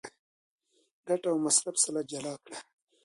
ګټه او مصرف سره جلا کړه.